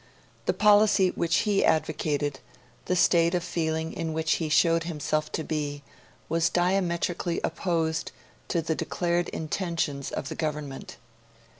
The policy which he advocated, the state of feeling in which he showed himself to be, was diametrically opposed to the declared intentions of the Government.